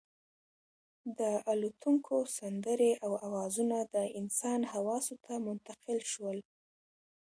د الوتونکو سندرې او اوازونه د انسان حواسو ته منتقل شول.